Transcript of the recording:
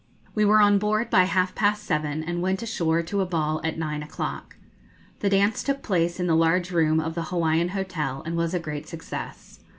We were on board by half past seven, and went ashore to a ball at nine o'clock. The dance took place in the large room of the Hawaiian Hotel, and was a great success.